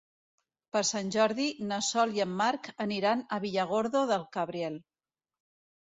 Per Sant Jordi na Sol i en Marc aniran a Villargordo del Cabriel.